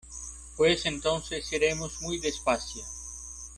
pues entonces iremos muy despacio